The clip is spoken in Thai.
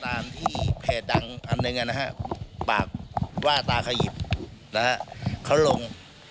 ตามที่เปดดั่งอำนึงปากว่าตาขยิบเขาลง